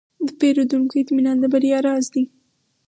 د پیرودونکو اطمینان د بریا راز دی.